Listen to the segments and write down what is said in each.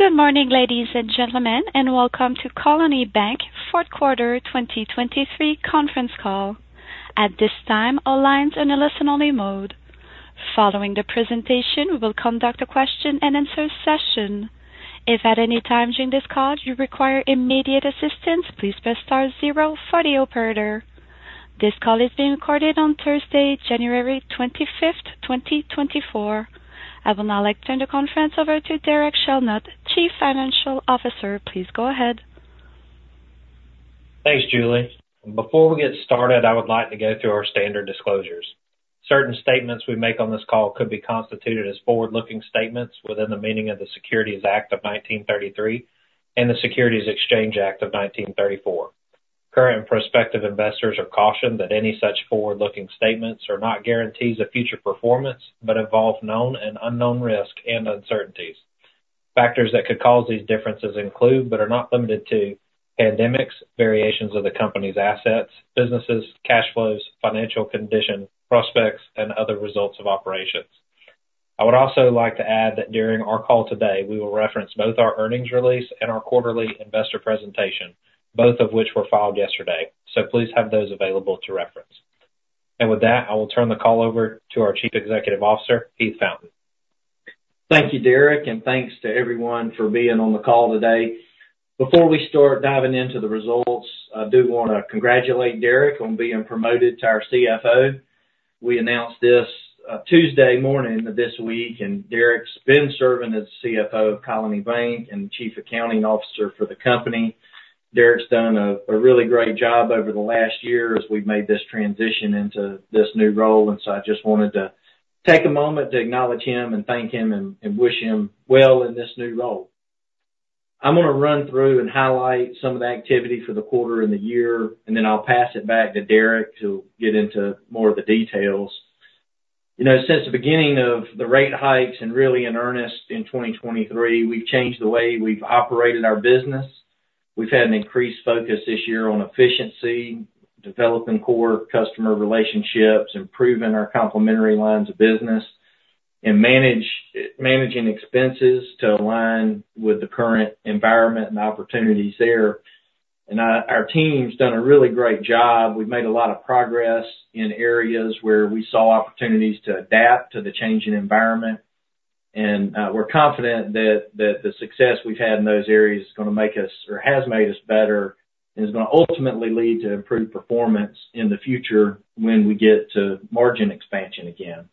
Good morning, ladies and gentlemen, and welcome to Colony Bank Q3 2023 conference call. At this time, all lines are in a listen-only mode. Following the presentation, we will conduct a question-and-answer session. If at any time during this call you require immediate assistance, please press star zero for the operator. This call is being recorded on Thursday, January 25th, 2024. I will now like to turn the conference over to Derek Shelnutt, Chief Financial Officer. Please go ahead. Thanks, Julie. Before we get started, I would like to go through our standard disclosures. Certain statements we make on this call could be constituted as forward-looking statements within the meaning of the Securities Act of 1933 and the Securities Exchange Act of 1934. Current and prospective investors are cautioned that any such forward-looking statements are not guarantees of future performance, but involve known and unknown risk and uncertainties. Factors that could cause these differences include, but are not limited to, pandemics, variations of the company's assets, businesses, cash flows, financial condition, prospects, and other results of operations. I would also like to add that during our call today, we will reference both our earnings release and our quarterly investor presentation, both of which were filed yesterday. So please have those available to reference. With that, I will turn the call over to our Chief Executive Officer, Heath Fountain. Thank you, Derek, and thanks to everyone for being on the call today. Before we start diving into the results, I do want to congratulate Derek on being promoted to our CFO. We announced this Tuesday morning of this week, and Derek's been serving as CFO of Colony Bank and Chief Accounting Officer for the company. Derek's done a really great job over the last year as we've made this transition into this new role, and so I just wanted to take a moment to acknowledge him and thank him and wish him well in this new role. I'm going to run through and highlight some of the activity for the quarter and the year, and then I'll pass it back to Derek, who'll get into more of the details. You know, since the beginning of the rate hikes, and really in earnest in 2023, we've changed the way we've operated our business. We've had an increased focus this year on efficiency, developing core customer relationships, improving our complementary lines of business, and managing expenses to align with the current environment and opportunities there. And, our team's done a really great job. We've made a lot of progress in areas where we saw opportunities to adapt to the changing environment, and, we're confident that, that the success we've had in those areas is going to make us, or has made us better, and is going to ultimately lead to improved performance in the future when we get to margin expansion again.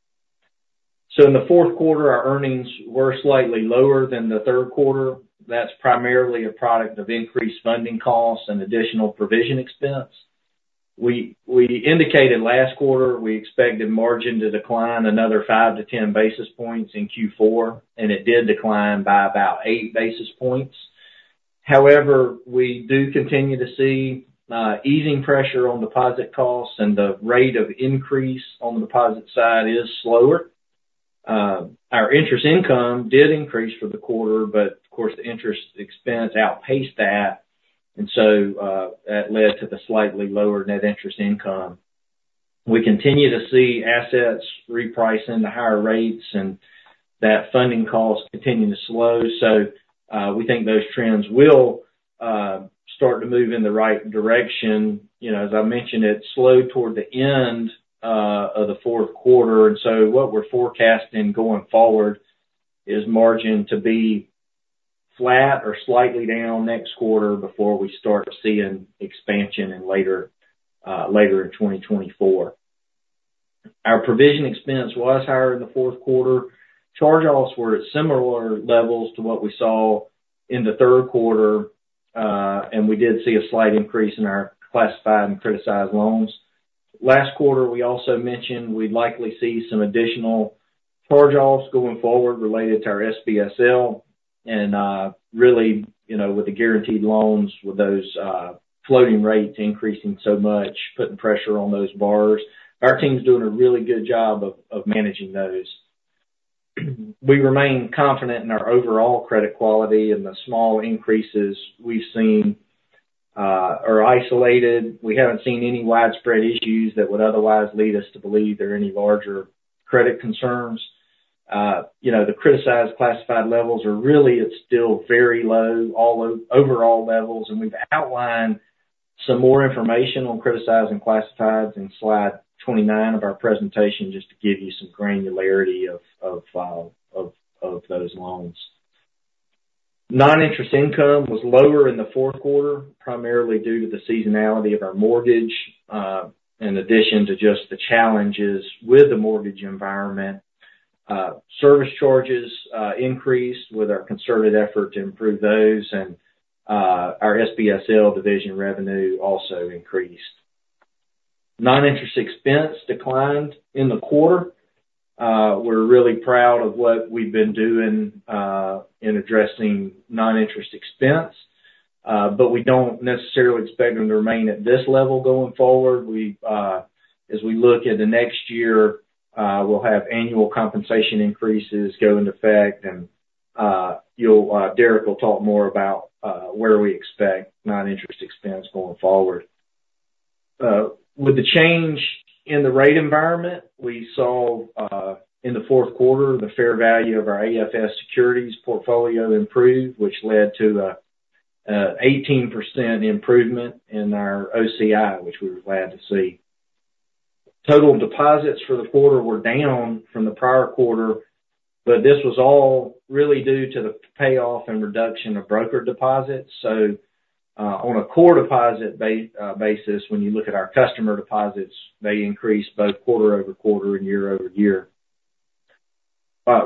So in the Q4, our earnings were slightly lower than the Q3. That's primarily a product of increased funding costs and additional provision expense. We indicated last quarter we expected margin to decline another 5-10 basis points in Q4, and it did decline by about 8 basis points. However, we do continue to see easing pressure on deposit costs, and the rate of increase on the deposit side is slower. Our interest income did increase for the quarter, but of course, the interest expense outpaced that, and so that led to the slightly lower net interest income. We continue to see assets repricing to higher rates, and that funding costs continuing to slow, so we think those trends will start to move in the right direction. You know, as I mentioned, it slowed toward the end of the Q4, and so what we're forecasting going forward is margin to be flat or slightly down next quarter before we start seeing expansion in later, later in 2024. Our Provision Expense was higher in the Q4. Charge-Offs were at similar levels to what we saw in the Q3, and we did see a slight increase in our Classified and Criticized Loans. Last quarter, we also mentioned we'd likely see some additional Charge-Offs going forward related to our SBSL and, really, you know, with the guaranteed loans, with those floating rates increasing so much, putting pressure on those borrowers. Our team's doing a really good job of managing those. We remain confident in our overall credit quality, and the small increases we've seen are isolated. We haven't seen any widespread issues that would otherwise lead us to believe there are any larger credit concerns. You know, the criticized classified levels are really at still very low overall levels, and we've outlined some more information on criticized and classified in slide 29 of our presentation, just to give you some granularity of those loans. Non-Interest Income was lower in the Q4, primarily due to the seasonality of our mortgage, in addition to just the challenges with the mortgage environment. Service charges increased with our concerted effort to improve those, and our SBSL division revenue also increased. Non-Interest Expense declined in the quarter. We're really proud of what we've been doing in addressing Non-Interest Expense, but we don't necessarily expect them to remain at this level going forward. We, as we look at the next year, we'll have annual compensation increases go into effect and, you'll, Derek will talk more about where we expect non-interest expense going forward. With the change in the rate environment, we saw, in the fourth quarter, the fair value of our AFS securities portfolio improve, which led to the, 18% improvement in our OCI, which we were glad to see. Total deposits for the quarter were down from the prior quarter, but this was all really due to the payoff and reduction of broker deposits. So, on a core deposit basis, when you look at our customer deposits, they increased both quarter-over-quarter and year-over-year.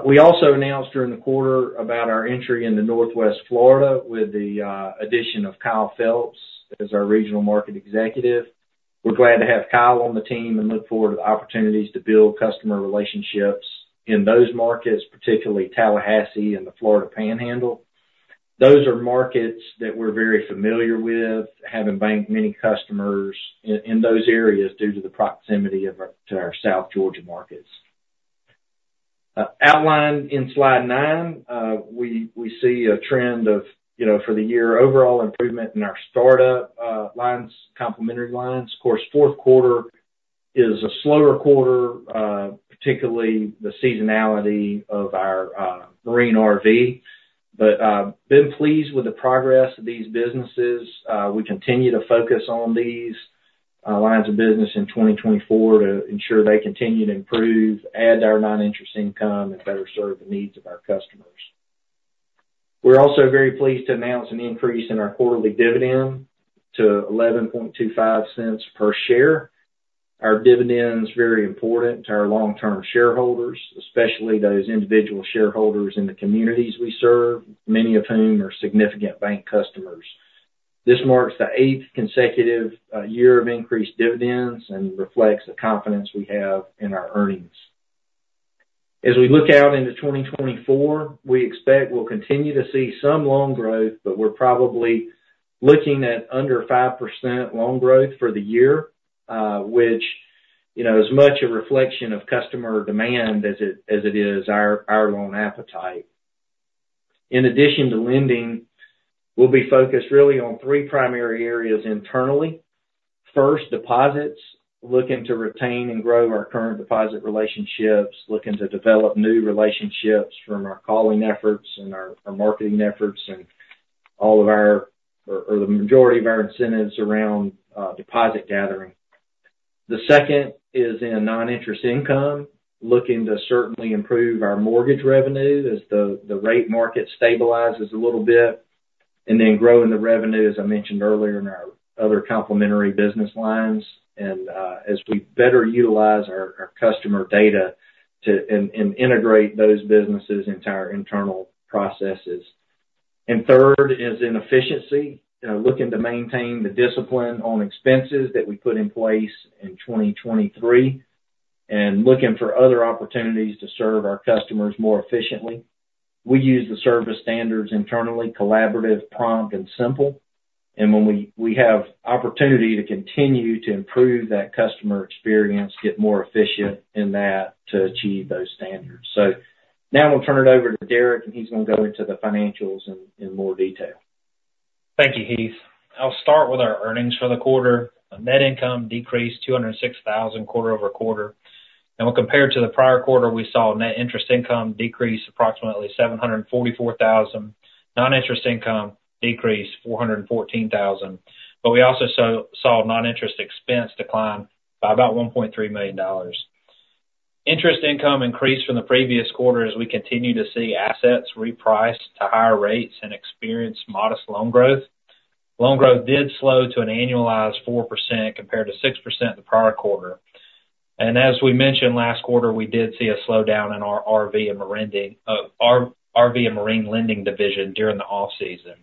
We also announced during the quarter about our entry into Northwest Florida with the addition of Kyle Phelps as our regional market executive. We're glad to have Kyle on the team and look forward to the opportunities to build customer relationships in those markets, particularly Tallahassee and the Florida Panhandle. Those are markets that we're very familiar with, having banked many customers in those areas due to the proximity of our to our South Georgia markets. Outlined in slide 9, we see a trend of, you know, for the year, overall improvement in our startup lines, complementary lines. Of course, Q4 is a slower quarter, particularly the seasonality of our marine RV. But been pleased with the progress of these businesses. We continue to focus on these lines of business in 2024 to ensure they continue to improve, add to our non-interest income, and better serve the needs of our customers. We're also very pleased to announce an increase in our quarterly dividend to $0.1125 per share. Our dividend is very important to our long-term shareholders, especially those individual shareholders in the communities we serve, many of whom are significant bank customers. This marks the eighth consecutive year of increased dividends and reflects the confidence we have in our earnings. As we look out into 2024, we expect we'll continue to see some loan growth, but we're probably looking at under 5% loan growth for the year, which, you know, is as much a reflection of customer demand as it is our loan appetite. In addition to lending, we'll be focused really on three primary areas internally. First, deposits, looking to retain and grow our current deposit relationships, looking to develop new relationships from our calling efforts and our marketing efforts, and the majority of our incentives around deposit gathering. The second is in non-interest income, looking to certainly improve our mortgage revenue as the rate market stabilizes a little bit, and then growing the revenue, as I mentioned earlier, in our other complementary business lines, and as we better utilize our customer data to and integrate those businesses into our internal processes. And third is in efficiency. Looking to maintain the discipline on expenses that we put in place in 2023, and looking for other opportunities to serve our customers more efficiently. We use the service standards internally, collaborative, prompt, and simple, and when we have opportunity to continue to improve that customer experience, get more efficient in that to achieve those standards. So now I'm going to turn it over to Derek, and he's going to go into the financials in more detail. Thank you, Heath. I'll start with our earnings for the quarter. Net income decreased $206,000 quarter-over-quarter. When compared to the prior quarter, we saw net interest income decrease approximately $744,000, non-interest income decrease $414,000, but we also saw non-interest expense decline by about $1.3 million. Interest income increased from the previous quarter as we continue to see assets reprice to higher rates and experience modest loan growth. Loan growth did slow to an annualized 4% compared to 6% the prior quarter. As we mentioned last quarter, we did see a slowdown in our RV and marine lending, our RV and marine lending division during the off-season.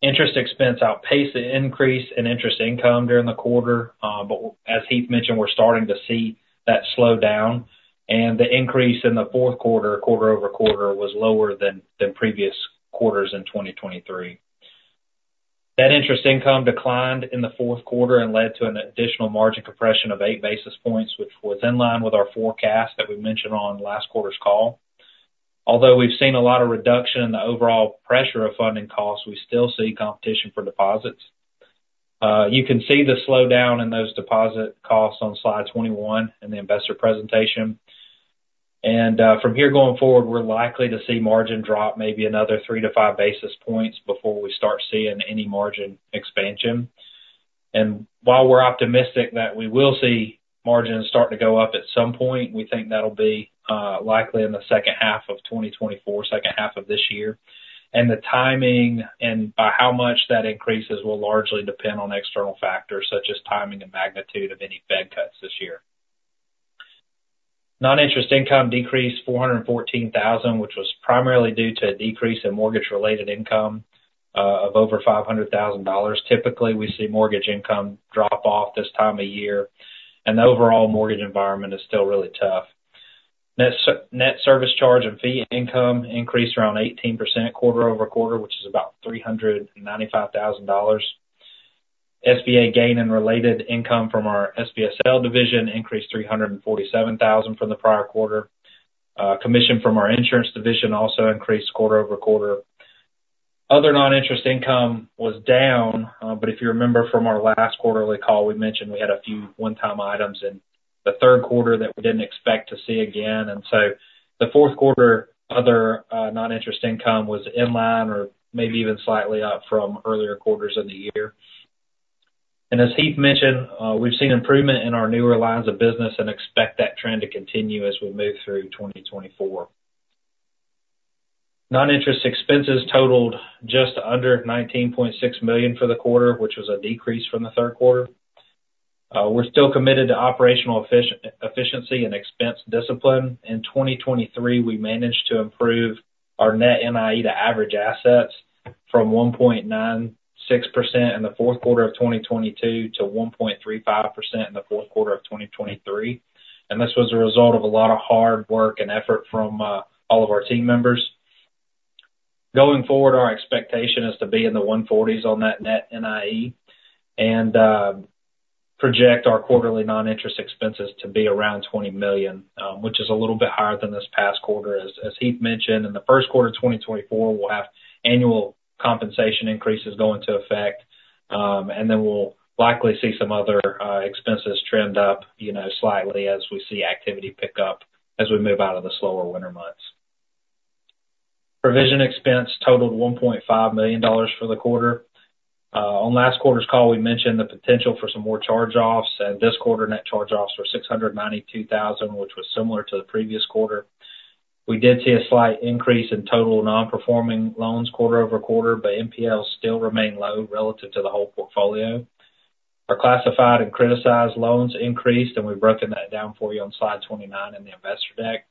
Interest expense outpaced the increase in interest income during the quarter, but as Heath mentioned, we're starting to see that slow down, and the increase in the Q4, quarter-over-quarter, was lower than previous quarters in 2023. Net interest income declined in the fourth quarter and led to an additional margin compression of 8 basis points, which was in line with our forecast that we mentioned on last quarter's call. Although we've seen a lot of reduction in the overall pressure of funding costs, we still see competition for deposits. You can see the slowdown in those deposit costs on slide 21 in the investor presentation. From here going forward, we're likely to see margin drop maybe another 3-5 basis points before we start seeing any margin expansion. While we're optimistic that we will see margins starting to go up at some point, we think that'll be likely in the second half of 2024, second half of this year. The timing and how much that increases will largely depend on external factors, such as timing and magnitude of any Fed cuts this year. Non-interest income decreased $414,000, which was primarily due to a decrease in mortgage-related income of over $500,000. Typically, we see mortgage income drop off this time of year, and the overall mortgage environment is still really tough. Net service charge and fee income increased around 18% quarter-over-quarter, which is about $395,000. SBA gain and related income from our SBSL division increased $347,000 from the prior quarter. Commission from our insurance division also increased quarter over quarter. Other non-interest income was down, but if you remember from our last quarterly call, we mentioned we had a few one-time items in the third quarter that we didn't expect to see again. And so the Q4, other non-interest income was in line or maybe even slightly up from earlier quarters of the year. And as Heath mentioned, we've seen improvement in our newer lines of business and expect that trend to continue as we move through 2024. Non-interest expenses totaled just under $19.6 million for the quarter, which was a decrease from the Q3. We're still committed to operational efficiency and expense discipline. In 2023, we managed to improve our net NIE to average assets from 1.96% in the fourth quarter of 2022 to 1.35% in the fourth quarter of 2023. This was a result of a lot of hard work and effort from all of our team members. Going forward, our expectation is to be in the 140s on that net NIE, and project our quarterly non-interest expenses to be around $20 million, which is a little bit higher than this past quarter. As Heath mentioned, in the Q1 of 2024, we'll have annual compensation increases go into effect, and then we'll likely see some other expenses trend up, you know, slightly as we see activity pick up as we move out of the slower winter months. Provision expense totaled $1.5 million for the quarter. On last quarter's call, we mentioned the potential for some more charge-offs, and this quarter, net charge-offs were $692,000, which was similar to the previous quarter. We did see a slight increase in total non-performing loans quarter-over-quarter, but NPLs still remain low relative to the whole portfolio. Our Classified and Criticized loans increased, and we've broken that down for you on slide 29 in the investor deck.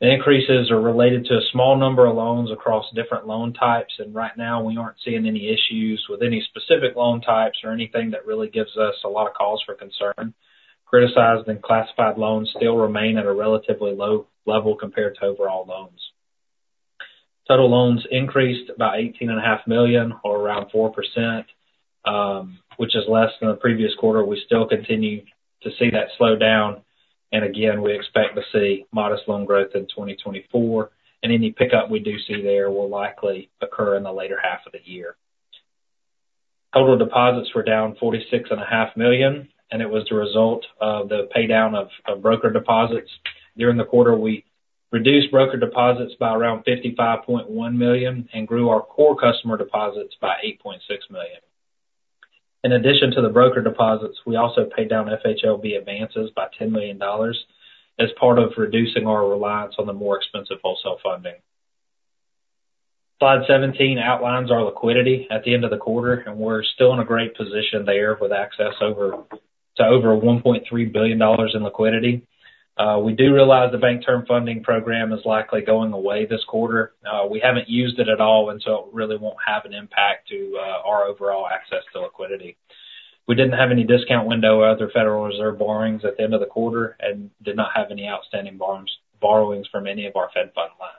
The increases are related to a small number of loans across different loan types, and right now, we aren't seeing any issues with any specific loan types or anything that really gives us a lot of cause for concern. Criticized and Classified loans still remain at a relatively low level compared to overall loans. Total loans increased by $18.5 million, or around 4%, which is less than the previous quarter. We still continue to see that slow down, and again, we expect to see modest loan growth in 2024, and any pickup we do see there will likely occur in the later half of the year. Total deposits were down $46.5 million, and it was the result of the paydown of broker deposits. During the quarter, we reduced broker deposits by around $55.1 million and grew our core customer deposits by $8.6 million. In addition to the broker deposits, we also paid down FHLB advances by $10 million as part of reducing our reliance on the more expensive wholesale funding. Slide 17 outlines our liquidity at the end of the quarter, and we're still in a great position there, with access to over $1.3 billion in liquidity. We do realize the Bank Term Funding Program is likely going away this quarter. We haven't used it at all, and so it really won't have an impact to our overall access to liquidity. We didn't have any discount window or other Federal Reserve borrowings at the end of the quarter and did not have any outstanding borrowings from any of our Fed Fund lines.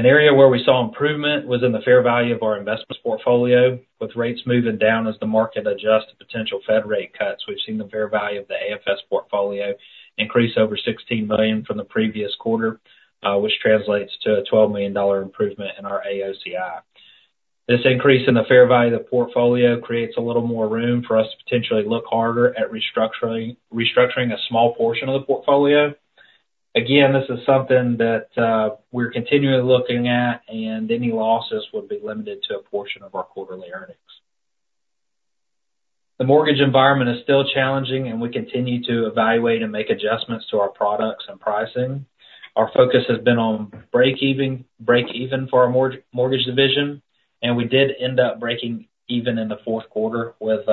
An area where we saw improvement was in the fair value of our investments portfolio. With rates moving down as the market adjusts to potential Fed rate cuts, we've seen the fair value of the AFS portfolio increase over $16 million from the previous quarter, which translates to a $12 million improvement in our AOCI. This increase in the fair value of the portfolio creates a little more room for us to potentially look harder at restructuring a small portion of the portfolio. Again, this is something that we're continually looking at, and any losses would be limited to a portion of our quarterly earnings. The mortgage environment is still challenging, and we continue to evaluate and make adjustments to our products and pricing. Our focus has been on breaking even for our mortgage division, and we did end up breaking even in the fourth quarter with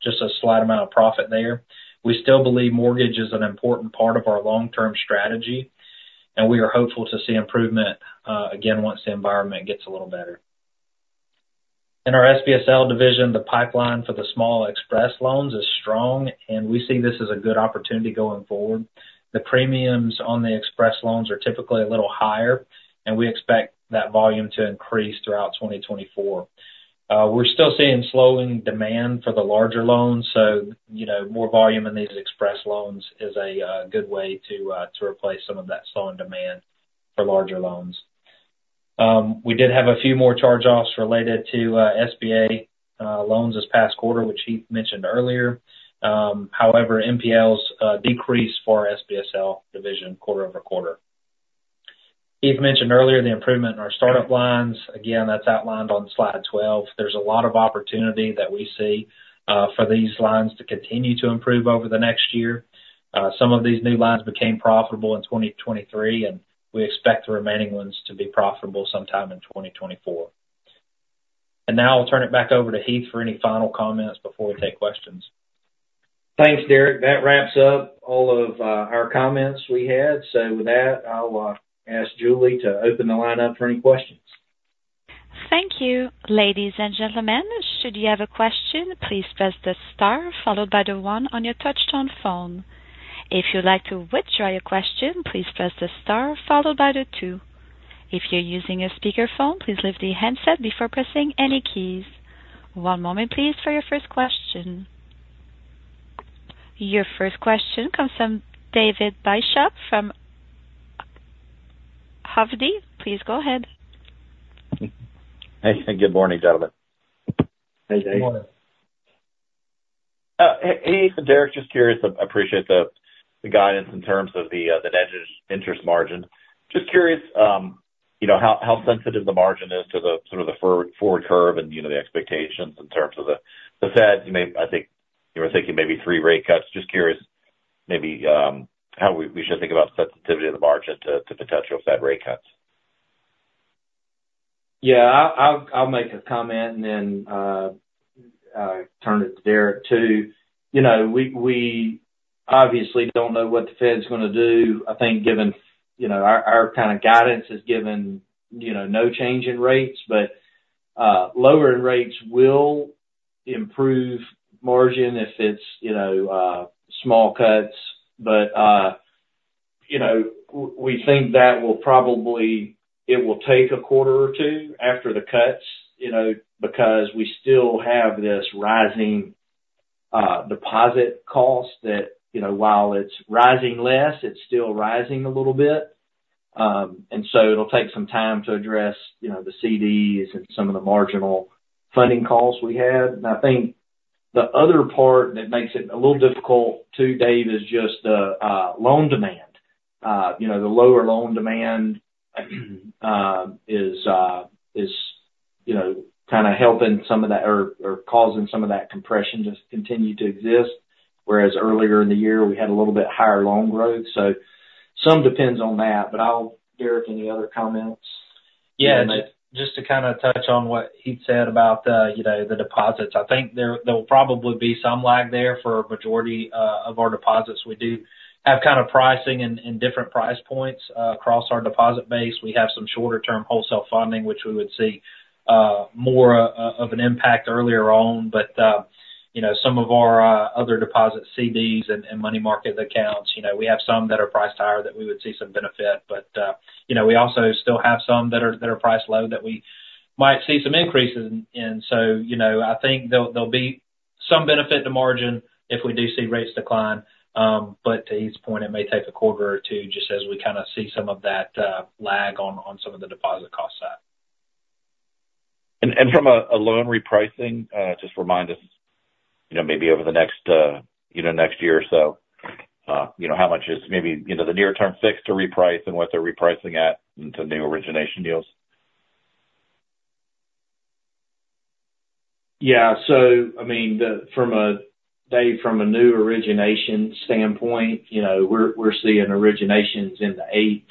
just a slight amount of profit there. We still believe mortgage is an important part of our long-term strategy, and we are hopeful to see improvement, again, once the environment gets a little better. In our SBSL division, the pipeline for the small express loans is strong, and we see this as a good opportunity going forward. The premiums on the express loans are typically a little higher, and we expect that volume to increase throughout 2024. We're still seeing slowing demand for the larger loans, so you know, more volume in these express loans is a, good way to, to replace some of that slowing demand for larger loans. We did have a few more charge-offs related to, SBA, loans this past quarter, which Heath mentioned earlier. However, NPLs, decreased for our SBSL division quarter-over-quarter. Heath mentioned earlier the improvement in our startup lines. Again, that's outlined on slide 12. There's a lot of opportunity that we see for these lines to continue to improve over the next year. Some of these new lines became profitable in 2023, and we expect the remaining ones to be profitable sometime in 2024. Now I'll turn it back over to Heath for any final comments before we take questions. Thanks, Derek. That wraps up all of our comments we had. So with that, I'll ask Julie to open the line up for any questions. Thank you, ladies and gentlemen. Should you have a question, please press the star followed by the one on your touchtone phone. If you'd like to withdraw your question, please press the star followed by the two. If you're using a speakerphone, please lift the handset before pressing any keys. One moment, please, for your first question. Your first question comes from David Bishop from Hovde. Please go ahead. Hey, good morning, gentlemen. Hey, Dave. Good morning. Heath and Derek, just curious, I appreciate the guidance in terms of the net interest margin. Just curious, you know, how sensitive the margin is to the sort of the forward curve and, you know, the expectations in terms of the Fed's. You may, I think, you were thinking maybe three rate cuts. Just curious, maybe, how we should think about sensitivity of the margin to potential Fed rate cuts? Yeah, I'll make a comment and then turn it to Derek, too. You know, we obviously don't know what the Fed's going to do. I think given our kind of guidance is given no change in rates, but lowering rates will improve margin if it's small cuts. But you know, we think that will probably. It will take a quarter or two after the cuts, you know, because we still have this rising deposit cost that, you know, while it's rising less, it's still rising a little bit. And so it'll take some time to address the CDs and some of the marginal funding costs we had. And I think the other part that makes it a little difficult, too, Dave, is just the loan demand. You know, the lower loan demand is, you know, kind of helping some of that, or causing some of that compression to continue to exist, whereas earlier in the year, we had a little bit higher loan growth. So some depends on that, but I'll, Derek, any other comments? Yeah, just, just to kind of touch on what he said about, you know, the deposits. I think there, there will probably be some lag there for a majority of our deposits. We do have kind of pricing and, and different price points across our deposit base. We have some shorter term wholesale funding, which we would see more of an impact earlier on, but, you know, some of our other deposit CDs and, and money market accounts, you know, we have some that are priced higher that we would see some benefit, but, you know, we also still have some that are, that are priced low, that we might see some increases in. So, you know, I think there'll be some benefit to margin if we do see rates decline, but to Heath's point, it may take a quarter or two, just as we kind of see some of that lag on some of the deposit cost side. And from a loan repricing, just remind us, you know, maybe over the next, you know, next year or so, you know, how much is maybe, you know, the near term fixed to reprice and what they're repricing at into new origination deals? Yeah. So I mean, from a, Dave, from a new origination standpoint, you know, we're seeing originations in the eights.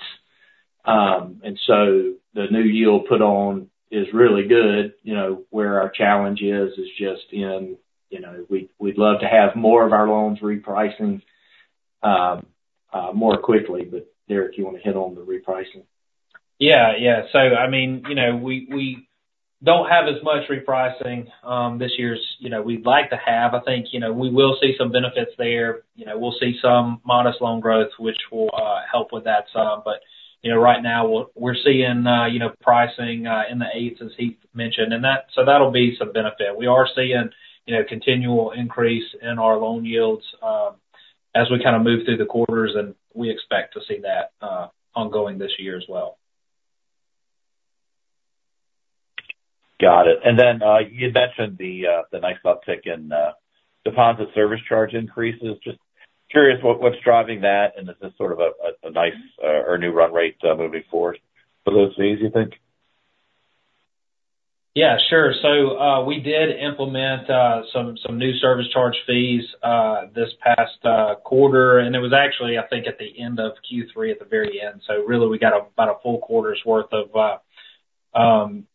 And so the new yield put on is really good. You know, where our challenge is just in, you know, we'd love to have more of our loans repricing more quickly, but Derek, you want to hit on the repricing? Yeah, yeah. So, I mean, you know, we don't have as much repricing this year as, you know, we'd like to have. I think, you know, we will see some benefits there. You know, we'll see some modest loan growth, which will help with that some, but, you know, right now, we're seeing you know, pricing in the eights, as Heath mentioned, and that. So that'll be some benefit. We are seeing, you know, continual increase in our loan yields as we kind of move through the quarters, and we expect to see that ongoing this year as well. Got it. And then, you mentioned the nice uptick in deposit service charge increases. Just curious, what's driving that, and is this sort of a nice or new run rate moving forward for those fees, you think? Yeah, sure. So, we did implement some new service charge fees this past quarter, and it was actually, I think, at the end of Q3, at the very end. So really, we got about a full quarter's worth of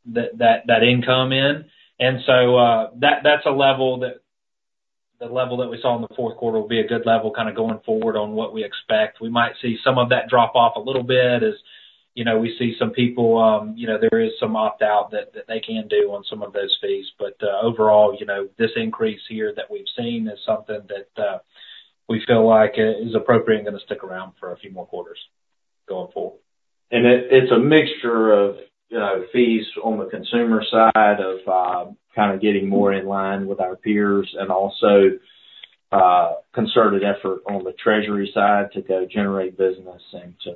that income in. And so, that's the level that we saw in the Q4 will be a good level, kind of, going forward on what we expect. We might see some of that drop off a little bit as, you know, we see some people, you know, there is some opt-out that they can do on some of those fees. But, overall, you know, this increase here that we've seen is something that we feel like is appropriate and going to stick around for a few more quarters going forward. It's a mixture of, you know, fees on the consumer side of kind of getting more in line with our peers, and also concerted effort on the treasury side to go generate business and to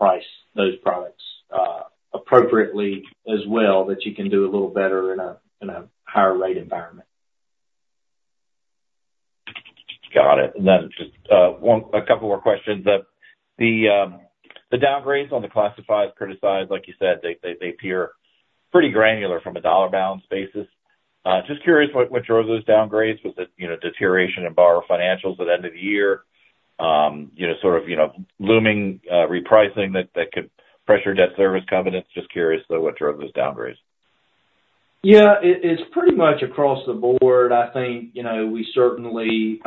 price those products appropriately as well, that you can do a little better in a higher rate environment. Got it. And then just one, a couple more questions. The downgrades on the classified criticized, like you said, they appear pretty granular from a dollar balance basis. Just curious, what drove those downgrades? Was it, you know, deterioration in borrower financials at the end of the year, you know, sort of, you know, looming repricing that could pressure debt service covenants? Just curious, though, what drove those downgrades. Yeah, it's pretty much across the board. I think, you know, we certainly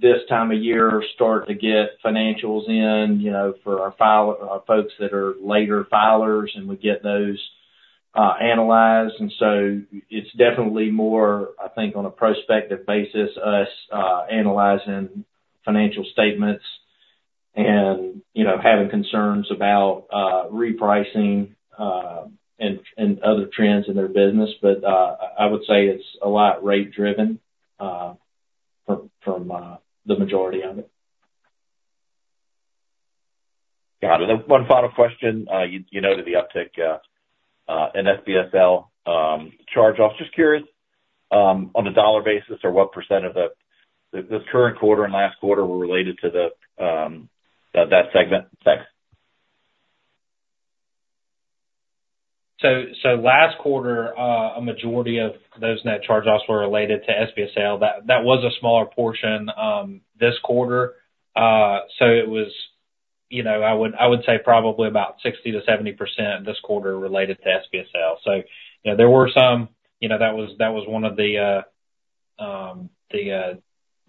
this time of year start to get financials in, you know, for our folks that are later filers, and we get those analyzed. And so it's definitely more, I think, on a prospective basis, us analyzing financial statements and, you know, having concerns about repricing and other trends in their business. But I would say it's a lot rate driven from the majority of it. Got it. One final question. You noted the uptick in SBSL charge-offs. Just curious, on a dollar basis, or what percent of this current quarter and last quarter were related to that segment? Thanks. So last quarter, a majority of those net charge-offs were related to SBSL. That was a smaller portion this quarter. So it was, you know, I would say probably about 60%-70% this quarter related to SBSL. So, you know, there were some, you know, that was one of the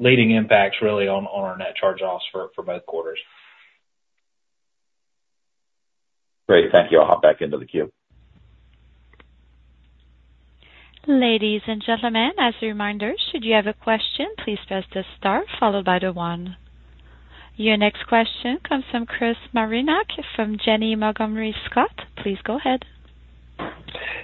leading impacts really on our net charge-offs for both quarters. Great, thank you. I'll hop back into the queue. Ladies and gentlemen, as a reminder, should you have a question, please press the star followed by the one. Your next question comes from Chris Marinac, from Janney Montgomery Scott. Please go ahead.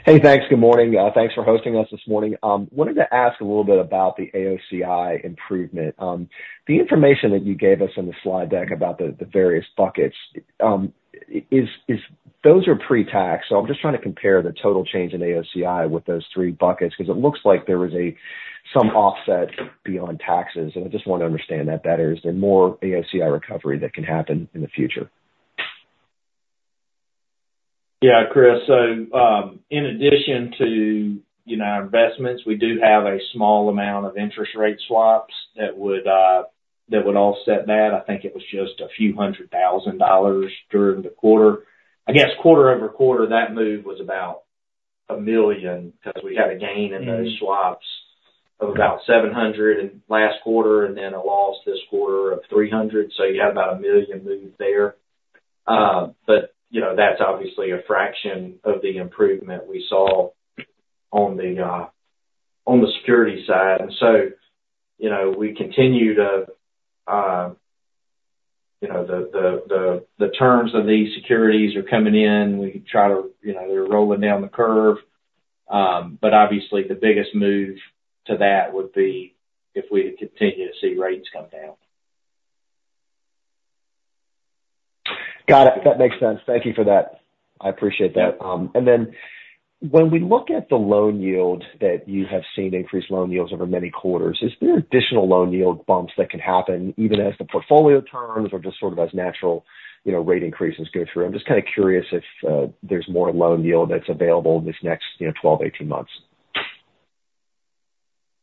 Hey, thanks. Good morning. Thanks for hosting us this morning. Wanted to ask a little bit about the AOCI improvement. The information that you gave us in the slide deck about the various buckets, those are pre-tax, so I'm just trying to compare the total change in AOCI with those three buckets, because it looks like there was some offset beyond taxes, and I just want to understand that better. Is there more AOCI recovery that can happen in the future? Yeah, Chris. So, in addition to, you know, our investments, we do have a small amount of interest rate swaps that would, that would offset that. I think it was just a few hundred thousand dollars during the quarter. I guess, quarter-over-quarter, that move was about $1 million, because we had a gain in those swaps of about $700,000 in last quarter, and then a loss this quarter of $300,000. So you have about a $1 million move there. But, you know, that's obviously a fraction of the improvement we saw on the, on the securities side. And so, you know, we continue to, you know, the terms of these securities are coming in. We try to, you know, they're rolling down the curve. But obviously, the biggest move to that would be if we continue to see rates come down. Got it. That makes sense. Thank you for that. I appreciate that. And then when we look at the loan yield, that you have seen increased loan yields over many quarters, is there additional loan yield bumps that can happen even as the portfolio turns or just sort of as natural, you know, rate increases go through? I'm just kind of curious if, there's more loan yield that's available this next, you know, 12, 18 months.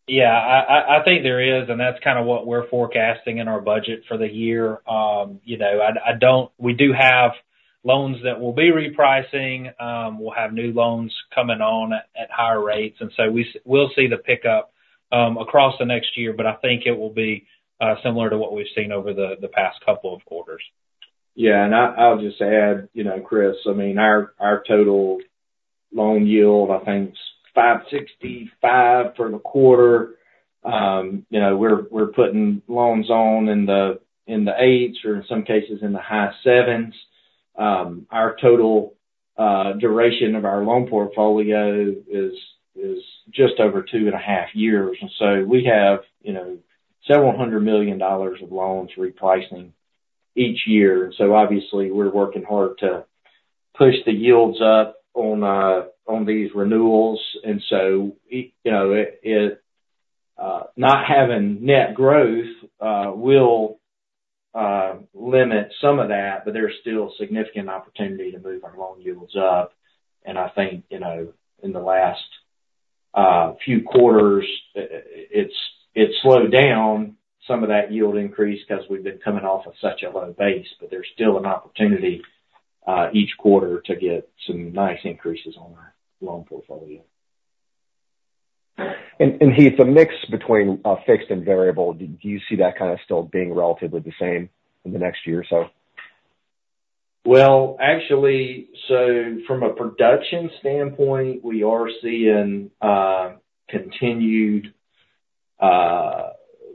Yeah, I think there is, and that's kind of what we're forecasting in our budget for the year. You know, I don't-- we do have loans that will be repricing. We'll have new loans coming on at higher rates, and so we'll see the pickup across the next year, but I think it will be similar to what we've seen over the past couple of quarters. Yeah, and I'll just add, you know, Chris, I mean, our total loan yield, I think, is 5.65 for the quarter. You know, we're putting loans on in the eights, or in some cases, in the high sevens. Our total duration of our loan portfolio is just over 2.5 years. We have, you know, several hundred million dollars of loans repricing each year. Obviously, we're working hard to push the yields up on these renewals. You know, it not having net growth will limit some of that, but there's still significant opportunity to move our loan yields up. I think, you know, in the last few quarters, it's slowed down some of that yield increase, because we've been coming off of such a low base, but there's still an opportunity each quarter to get some nice increases on our loan portfolio. Heath, the mix between fixed and variable, do you see that kind of still being relatively the same in the next year or so? Well, actually, so from a production standpoint, we are seeing continued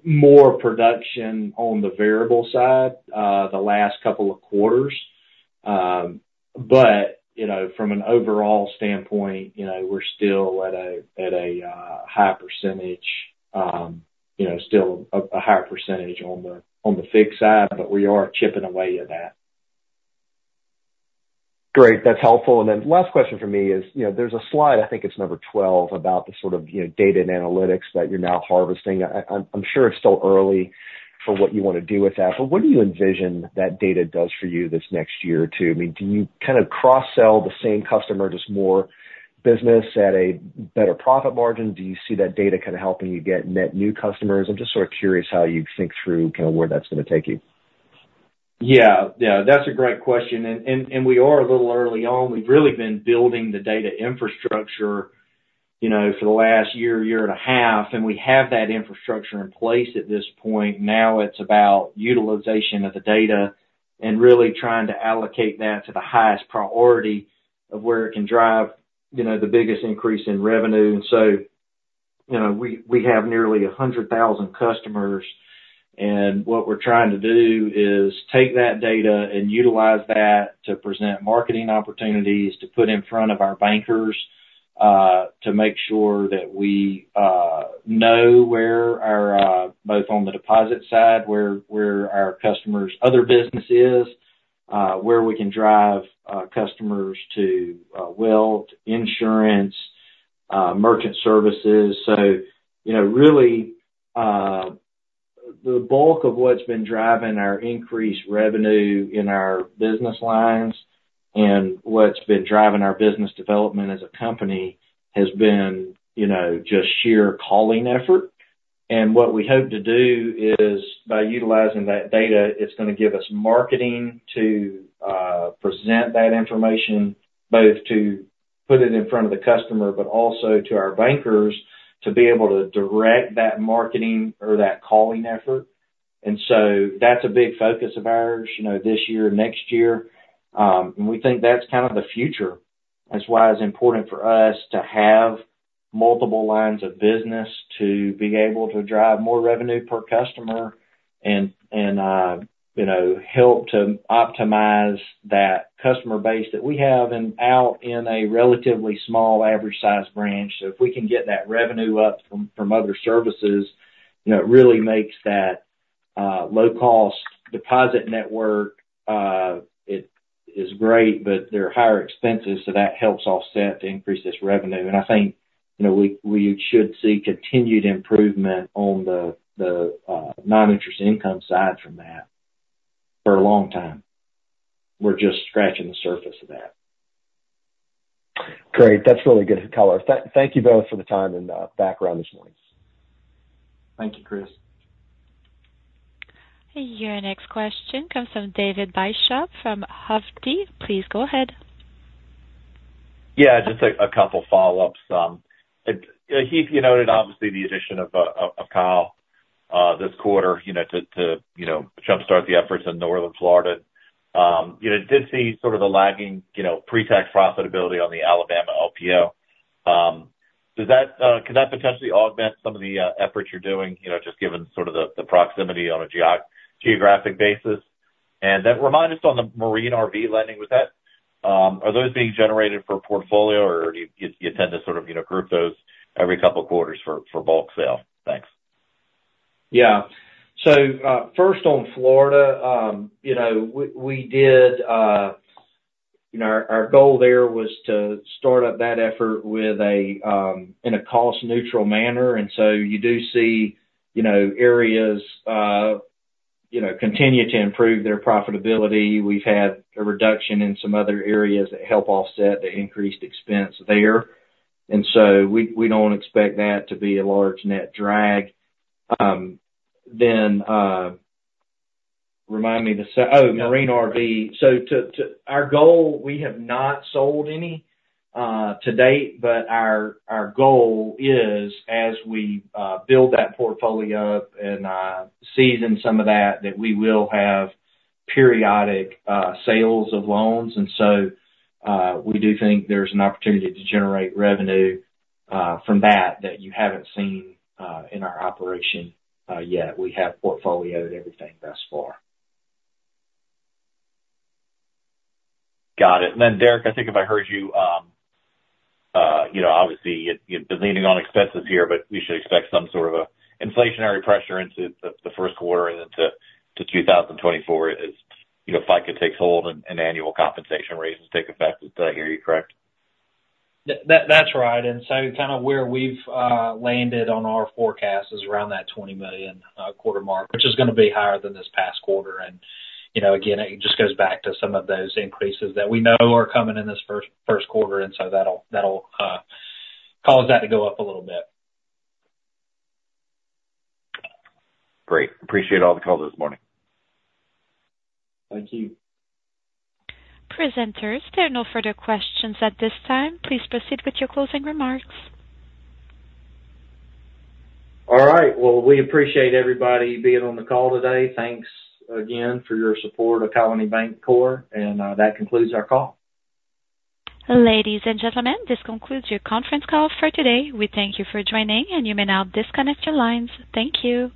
more production on the variable side, the last couple of quarters. But, you know, from an overall standpoint, you know, we're still at a, at a high percentage, you know, still a higher percentage on the fixed side, but we are chipping away at that. Great, that's helpful. And then last question for me is, you know, there's a slide, I think it's number 12, about the sort of, you know, data and analytics that you're now harvesting. I'm sure it's still early for what you want to do with that, but what do you envision that data does for you this next year or two? I mean, do you kind of cross-sell the same customer, just more business at a better profit margin? Do you see that data kind of helping you get net new customers? I'm just sort of curious how you think through kind of where that's going to take you. Yeah. Yeah, that's a great question, and we are a little early on. We've really been building the data infrastructure, you know, for the last year, year and a half, and we have that infrastructure in place at this point. Now, it's about utilization of the data and really trying to allocate that to the highest priority of where it can drive, you know, the biggest increase in revenue. And so, you know, we have nearly 100,000 customers, and what we're trying to do is take that data and utilize that to present marketing opportunities, to put in front of our bankers, to make sure that we know where our, both on the deposit side, where our customers' other business is, where we can drive customers to wealth, insurance, merchant services. So, you know, really, the bulk of what's been driving our increased revenue in our business lines and what's been driving our business development as a company has been, you know, just sheer calling effort. And what we hope to do is, by utilizing that data, it's going to give us marketing to, present that information, both to put it in front of the customer, but also to our bankers, to be able to direct that marketing or that calling effort. And so that's a big focus of ours, you know, this year, next year. And we think that's kind of the future. That's why it's important for us to have multiple lines of business, to be able to drive more revenue per customer and, and, you know, help to optimize that customer base that we have and out in a relatively small, average-sized branch. So if we can get that revenue up from other services, you know, it really makes that low-cost deposit network; it is great, but there are higher expenses, so that helps offset the increased revenue. And I think, you know, we should see continued improvement on the non-interest income side from that for a long time. We're just scratching the surface of that. Great. That's really good color. Thank you both for the time and background this morning. Thank you, Chris. Your next question comes from David Bishop from Hovde. Please go ahead. Yeah, just a couple follow-ups. Heath, you noted obviously the addition of Kyle this quarter, you know, to jumpstart the efforts in Northwest Florida. You know, did see sort of the lagging, you know, pre-tax profitability on the Alabama LPO. Does that can that potentially augment some of the efforts you're doing, you know, just given sort of the proximity on a geographic basis? And then remind us on the Marine and RV Lending, was that, are those being generated for portfolio, or do you tend to sort of, you know, group those every couple quarters for bulk sale? Thanks. Yeah. So, first, on Florida, you know, we did, you know, our goal there was to start up that effort with a, in a cost neutral manner, and so you do see, you know, areas, you know, continue to improve their profitability. We've had a reduction in some other areas that help offset the increased expense there, and so we don't expect that to be a large net drag. Then, remind me the second - oh, Marine RV. So, our goal, we have not sold any, to date, but our goal is, as we build that portfolio up and season some of that, that we will have periodic sales of loans. And so, we do think there's an opportunity to generate revenue from that, that you haven't seen in our operation yet. We have portfolioed everything thus far. Got it. And then, Derek, I think if I heard you, you know, obviously, you've been leaning on expenses here, but we should expect some sort of a inflationary pressure into the Q1 and into 2024 as, you know, FICA takes hold and annual compensation raises take effect. Did I hear you correct? That, that's right. And so kind of where we've landed on our forecast is around that $20 million quarter mark, which is going to be higher than this past quarter. And, you know, again, it just goes back to some of those increases that we know are coming in this first, Q1, and so that'll, that'll cause that to go up a little bit. Great. Appreciate all the color this morning. Thank you. Presenters, there are no further questions at this time. Please proceed with your closing remarks. All right. Well, we appreciate everybody being on the call today. Thanks again for your support of Colony Bankcorp, and that concludes our call. Ladies and gentlemen, this concludes your conference call for today. We thank you for joining, and you may now disconnect your lines. Thank you.